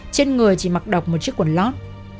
chân người chỉ mặc độc một chiếc quần lót